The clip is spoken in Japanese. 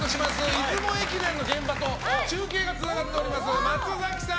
出雲駅伝の現場と中継がつながっております。